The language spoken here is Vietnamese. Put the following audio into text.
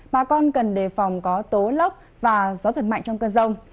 bà con cần đề phòng có tố lốc và gió giật mạnh trong cơn rông